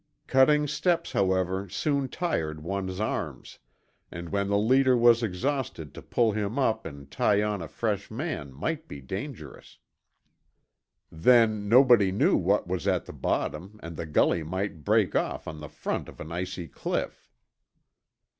Cutting steps, however, soon tired one's arms, and when the leader was exhausted to pull him up and tie on a fresh man might be dangerous. Then nobody knew what was at the bottom and the gully might break off on the front of an icy cliff.